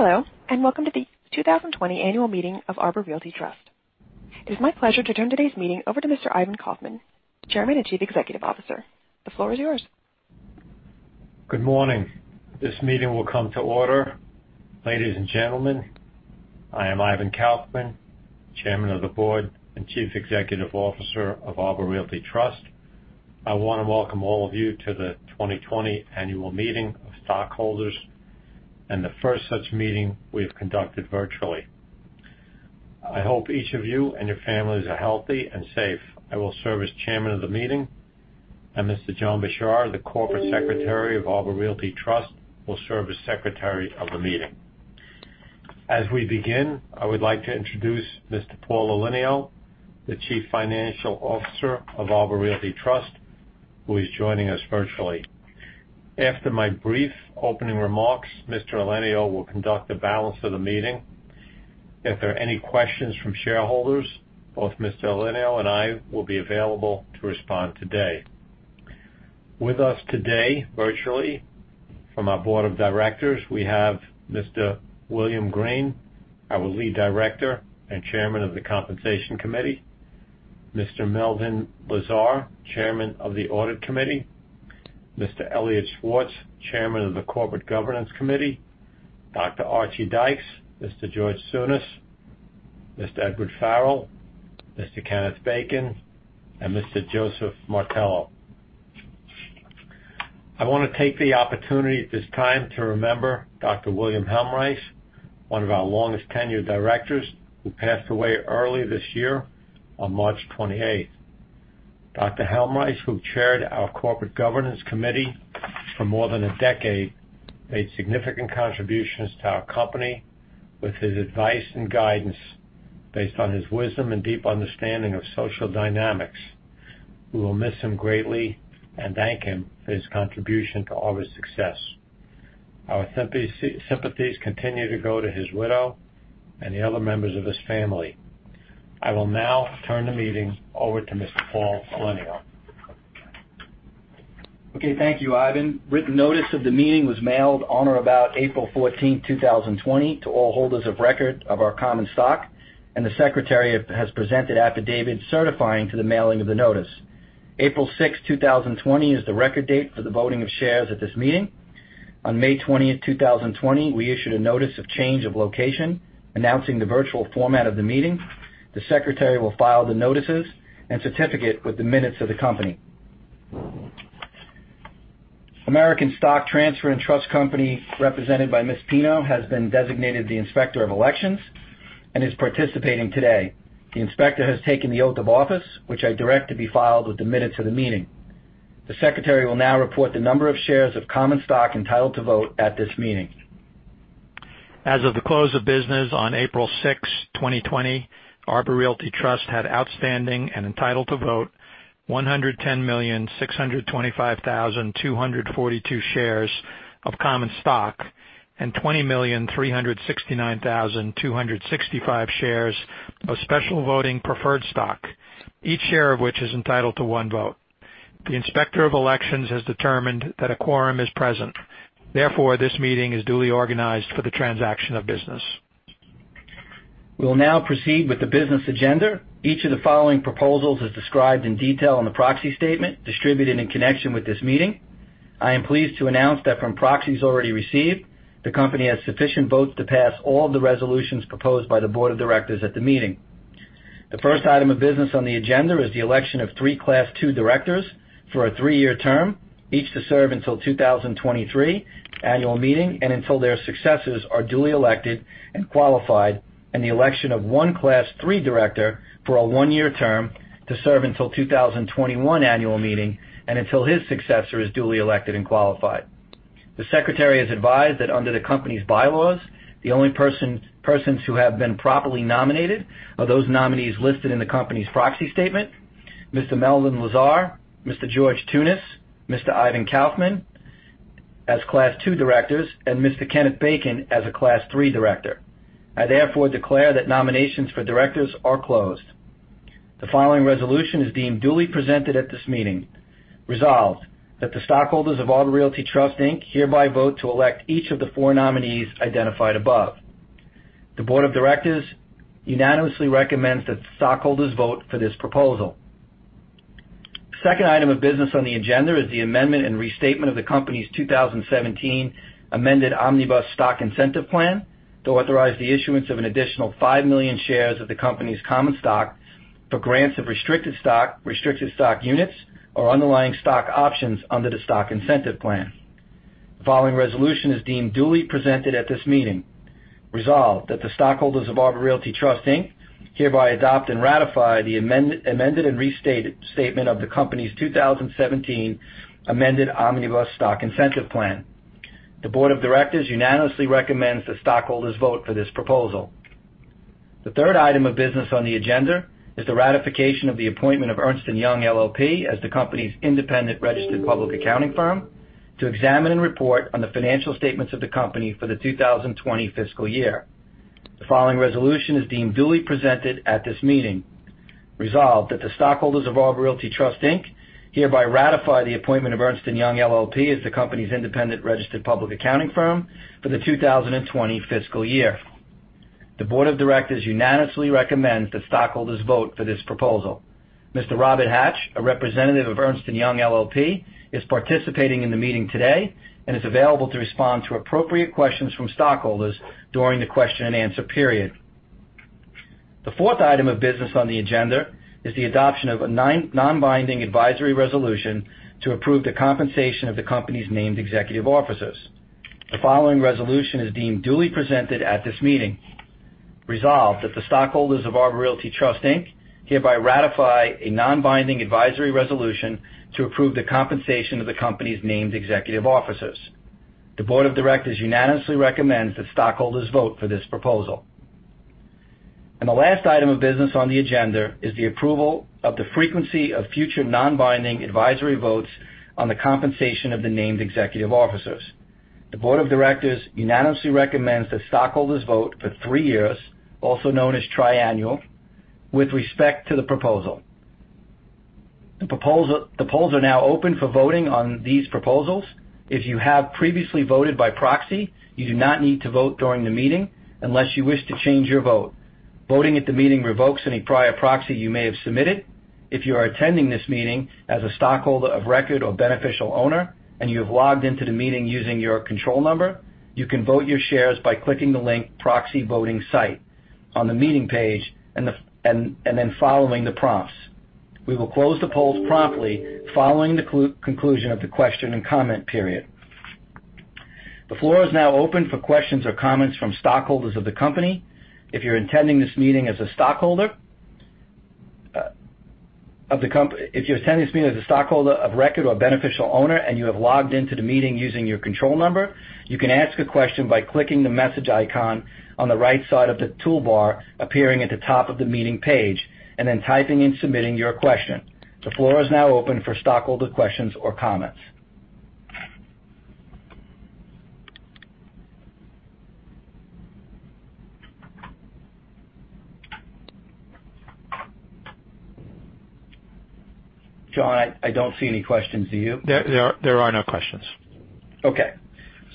Hello, and welcome to the 2020 Annual Meeting of Arbor Realty Trust. It is my pleasure to turn today's meeting over to Mr. Ivan Kaufman, Chairman and Chief Executive Officer. The floor is yours. Good morning. This meeting will come to order. Ladies and gentlemen, I am Ivan Kaufman, Chairman of the Board and Chief Executive Officer of Arbor Realty Trust. I want to welcome all of you to the 2020 Annual Meeting of Stockholders, and the first such meeting we have conducted virtually. I hope each of you and your families are healthy and safe. I will serve as Chairman of the Meeting, and Mr. John Bishar, the Corporate Secretary of Arbor Realty Trust, will serve as Secretary of the Meeting. As we begin, I would like to introduce Mr. Paul Elenio, the Chief Financial Officer of Arbor Realty Trust, who is joining us virtually. After my brief opening remarks, Mr. Elenio will conduct the balance of the meeting. If there are any questions from shareholders, both Mr. Elenio and I will be available to respond today. With us today virtually from our Board of Directors, we have Mr. William Green, our Lead Director and Chairman of the Compensation Committee, Mr. Melvin Lazar, Chairman of the Audit Committee, Mr. Elliot Schwartz, Chairman of the Corporate Governance Committee, Dr. Archie Dykes, Mr. George Tsunis, Mr. Edward Farrell, Mr. Kenneth Bacon, and Mr. Joseph Martello. I want to take the opportunity at this time to remember Dr. William Helmreich, one of our longest-tenured directors, who passed away early this year on March 28th. Dr. Helmreich, who chaired our Corporate Governance Committee for more than a decade, made significant contributions to our company with his advice and guidance based on his wisdom and deep understanding of social dynamics. We will miss him greatly and thank him for his contribution to our success. Our sympathies continue to go to his widow and the other members of his family. I will now turn the meeting over to Mr. Paul Elenio. Okay, thank you, Ivan. Written notice of the meeting was mailed on or about April 14, 2020, to all holders of record of our common stock, and the Secretary has presented affidavits certifying to the mailing of the notice. April 6, 2020, is the record date for the voting of shares at this meeting. On May 20, 2020, we issued a notice of change of location announcing the virtual format of the meeting. The Secretary will file the notices and certificate with the minutes of the company. American Stock Transfer & Trust Company, represented by Ms. Pino, has been designated the Inspector of Elections and is participating today. The Inspector has taken the oath of office, which I direct to be filed with the minutes of the meeting. The Secretary will now report the number of shares of common stock entitled to vote at this meeting. As of the close of business on April 6, 2020, Arbor Realty Trust had outstanding and entitled to vote 110,625,242 shares of common stock and 20,369,265 shares of special voting preferred stock, each share of which is entitled to one vote. The Inspector of Elections has determined that a quorum is present. Therefore, this meeting is duly organized for the transaction of business. We will now proceed with the business agenda. Each of the following proposals is described in detail in the proxy statement distributed in connection with this meeting. I am pleased to announce that from proxies already received, the company has sufficient votes to pass all of the resolutions proposed by the Board of Directors at the meeting. The first item of business on the agenda is the election of three Class II directors for a three-year term, each to serve until 2023 Annual Meeting and until their successors are duly elected and qualified, and the election of one Class III director for a one-year term to serve until 2021 Annual Meeting and until his successor is duly elected and qualified. The Secretary has advised that under the company's bylaws, the only persons who have been properly nominated are those nominees listed in the company's proxy statement: Mr. Melvin Lazar, Mr. George Tsunis, Mr. Ivan Kaufman as Class II directors, and Mr. Kenneth Bacon as a Class III director. I therefore declare that nominations for directors are closed. The following resolution is deemed duly presented at this meeting. Resolved that the stockholders of Arbor Realty Trust, Inc. hereby vote to elect each of the four nominees identified above. The Board of Directors unanimously recommends that stockholders vote for this proposal. The second item of business on the agenda is the amendment and restatement of the company's 2017 Amended Omnibus Stock Incentive Plan to authorize the issuance of an additional five million shares of the company's common stock for grants of restricted stock, restricted stock units, or underlying stock options under the Stock Incentive Plan. The following resolution is deemed duly presented at this meeting. Resolved that the stockholders of Arbor Realty Trust, Inc. Hereby adopt and ratify the amended and restatement the company's 2017 Amended Omnibus Stock Incentive Plan. The Board of Directors unanimously recommends that stockholders vote for this proposal. The third item of business on the agenda is the ratification of the appointment of Ernst & Young LLP as the company's independent registered public accounting firm to examine and report on the financial statements of the company for the 2020 fiscal year. The following resolution is deemed duly presented at this meeting. Resolved that the stockholders of Arbor Realty Trust, Inc. hereby ratify the appointment of Ernst & Young LLP as the company's independent registered public accounting firm for the 2020 fiscal year. The Board of Directors unanimously recommends that stockholders vote for this proposal. Mr. Robert Hatch, a representative of Ernst & Young LLP, is participating in the meeting today and is available to respond to appropriate questions from stockholders during the question and answer period. The fourth item of business on the agenda is the adoption of a non-binding advisory resolution to approve the compensation of the company's named executive officers. The following resolution is deemed duly presented at this meeting. Resolved that the stockholders of Arbor Realty Trust, Inc. hereby ratify a non-binding advisory resolution to approve the compensation of the company's named executive officers. The Board of Directors unanimously recommends that stockholders vote for this proposal. The last item of business on the agenda is the approval of the frequency of future non-binding advisory votes on the compensation of the named executive officers. The Board of Directors unanimously recommends that stockholders vote for three years, also known as triennial, with respect to the proposal. The polls are now open for voting on these proposals. If you have previously voted by proxy, you do not need to vote during the meeting unless you wish to change your vote. Voting at the meeting revokes any prior proxy you may have submitted. If you are attending this meeting as a stockholder of record or beneficial owner and you have logged into the meeting using your control number, you can vote your shares by clicking the link Proxy Voting Site on the meeting page and then following the prompts. We will close the polls promptly following the conclusion of the question and comment period. The floor is now open for questions or comments from stockholders of the company. If you're attending this meeting as a stockholder of the company, if you're attending this meeting as a stockholder of record or beneficial owner and you have logged into the meeting using your control number, you can ask a question by clicking the message icon on the right side of the toolbar appearing at the top of the meeting page and then typing and submitting your question. The floor is now open for stockholder questions or comments. John, I don't see any questions to you. There are no questions. Okay.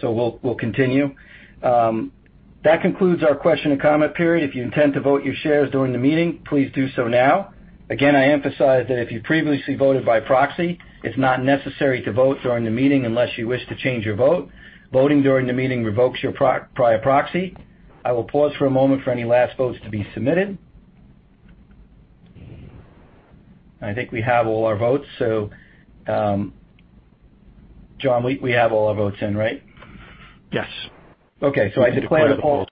So we'll continue. That concludes our question and comment period. If you intend to vote your shares during the meeting, please do so now. Again, I emphasize that if you previously voted by proxy, it's not necessary to vote during the meeting unless you wish to change your vote. Voting during the meeting revokes your prior proxy. I will pause for a moment for any last votes to be submitted. I think we have all our votes. So, John, we have all our votes in, right? Yes. Okay, so I declare the polls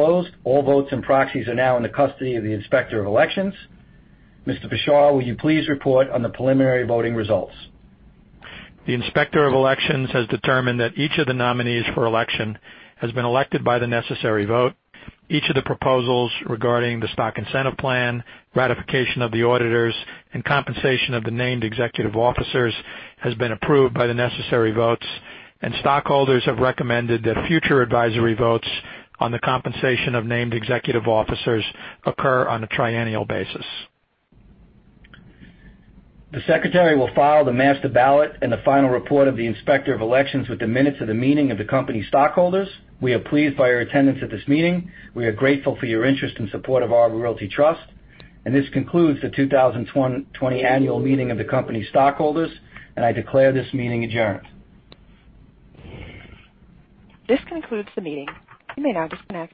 closed. All votes and proxies are now in the custody of the Inspector of Elections. Mr. Bishar, will you please report on the preliminary voting results? The Inspector of Elections has determined that each of the nominees for election has been elected by the necessary vote. Each of the proposals regarding the Stock Incentive Plan, ratification of the auditors, and compensation of the named executive officers has been approved by the necessary votes, and stockholders have recommended that future advisory votes on the compensation of named executive officers occur on a triennial basis. The Secretary will file the master ballot and the final report of the Inspector of Elections with the minutes of the meeting of the company's stockholders. We are pleased by your attendance at this meeting. We are grateful for your interest and support of Arbor Realty Trust, and this concludes the 2020 Annual Meeting of the Company's Stockholders, and I declare this meeting adjourned. This concludes the meeting. You may now disconnect.